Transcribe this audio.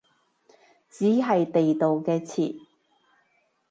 只係地道嘅詞